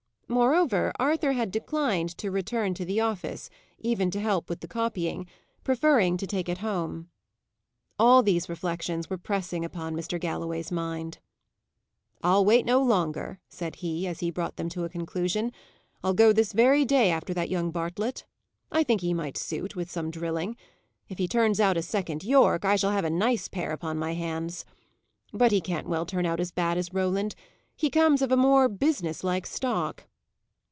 Moreover, Arthur had declined to return to the office, even to help with the copying, preferring to take it home. All these reflections were pressing upon Mr. Galloway's mind. "I'll wait no longer," said he, as he brought them to a conclusion. "I'll go this very day after that young Bartlett. I think he might suit, with some drilling. If he turns out a second Yorke, I shall have a nice pair upon my hands. But he can't well turn out as bad as Roland: he comes of a more business like stock."